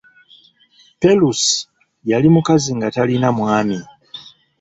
Perusi yali mukazi nga talina mwami.